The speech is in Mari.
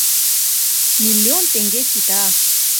— Миллион теҥге сита.